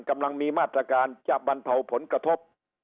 กำลังมีมาตรการจะบรรเทาผลกระทบ